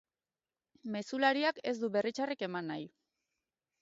Mezulariak ez du berri txarrik eman nahi.